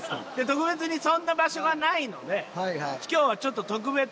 特別にそんな場所がないので今日はちょっと。